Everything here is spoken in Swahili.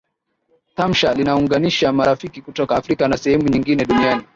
Tamsha linaunganisha marafiki kutoka Afrika na sehemu nyingine dunianini